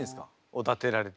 おだてられて。